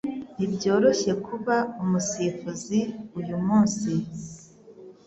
Ntibyoroshye kuba umusifuzi uyumunsi.